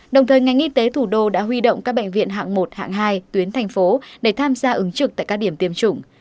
đồng thời ngành y tế thủ đô đã huy động các bệnh viện hạng một hạng hai tuyến thành phố để tham gia ứng trực tại các điểm tiêm chủng